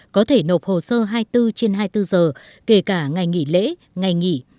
có thể nộp hồ sơ hai mươi bốn trên hai mươi bốn giờ kể cả ngày nghỉ lễ ngày nghỉ